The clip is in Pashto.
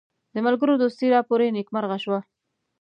د ملګرو دوستي راپوري نیکمرغه شوه.